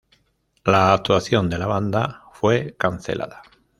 La actuación de la banda fue cancelada.